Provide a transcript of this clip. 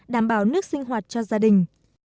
đảm bảo nước sinh hoạt cho gia đình